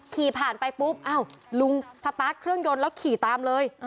ขี่ผ่านไปปุ๊บอ้าวลุงสตาร์ทเครื่องยนต์แล้วขี่ตามเลย